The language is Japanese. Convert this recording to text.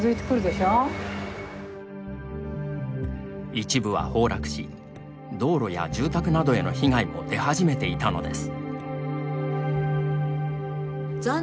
一部は崩落し道路や住宅などへの被害も出始めていたのです。